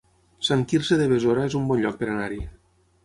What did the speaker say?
Sant Quirze de Besora es un bon lloc per anar-hi